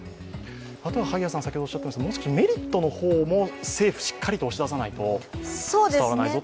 あとはメリットの方も政府、しっかりと押し出さないと伝わらないぞと。